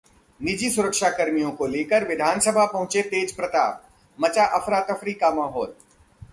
निजी सुरक्षाकर्मियों को लेकर विधानसभा पहुंचे तेज प्रताप, मचा अफरातफरी का माहौल